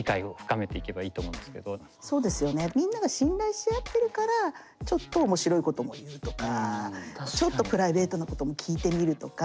みんなが信頼し合ってるからちょっと面白いことも言うとかちょっとプライベートなことも聞いてみるとか。